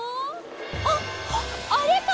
あっあれか！